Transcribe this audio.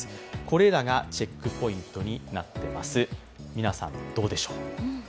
皆さん、どうでしょう？